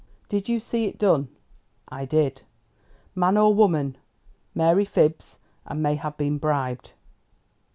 "Did you see it done?" "I did." "Man, or woman? Mary fibs, and may have been bribed."